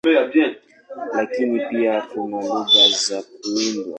Lakini pia kuna lugha za kuundwa.